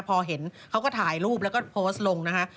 พอเห็นเขาก็ถ่ายรูปแล้วก็โพสต์ลงนะคะ